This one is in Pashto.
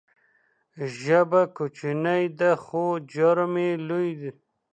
ژبه کوچنۍ ده خو جرم یې لوی.